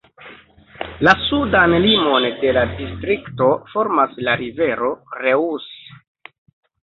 La sudan limon de la distrikto formas la rivero Reuss.